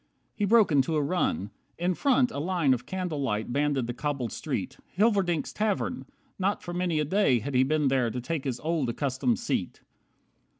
He broke into a run. In front, a line Of candle light banded the cobbled street. Hilverdink's tavern! Not for many a day Had he been there to take his old, accustomed seat.